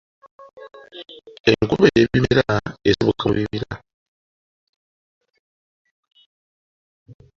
"Enkuba y'ebimera, esibuka mu bibira."